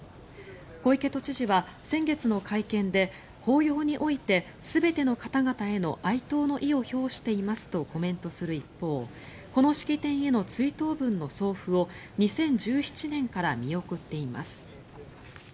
小池都知事は先月の会見で法要において全ての方々への哀悼の意を表していますとコメントする一方この式典への追悼文の送付を２０１７年から見送っています。